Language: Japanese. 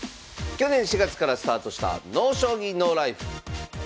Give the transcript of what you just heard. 去年４月からスタートした「ＮＯ将棋ＮＯＬＩＦＥ」。